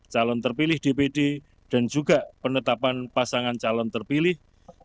calon terpilih dpd dan juga penetapan pasangan calon terpilih